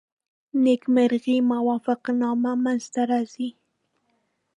نیمګړې موافقتنامه منځته راځي.